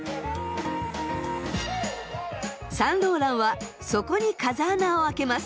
サンローランはそこに風穴を開けます。